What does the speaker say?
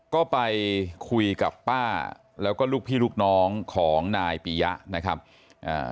ก็ไปคุยกับป้าแล้วก็ลูกพี่ลูกน้องของนายปียะนะครับอ่า